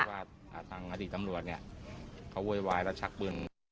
เห็นว่าปัญหานี้มันมีมานาน